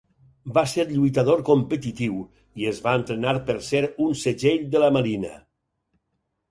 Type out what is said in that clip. Va ser lluitador competitiu i es va entrenar per ser un segell de la Marina.